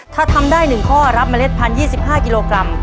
ถ้าทำได้๑ข้อรับเล็ดพัน๒๕กิโลกรัม